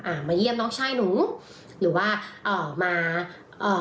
มาเยี่ยมน้องชายหนูหรือว่าเอ่อมาเอ่อ